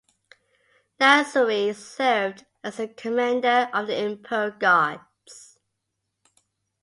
Nassiri served as the commander of the Imperial Guards.